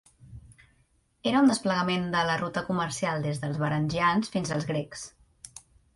Era un desplegament de la ruta comercial des dels Varangians fins als Grecs.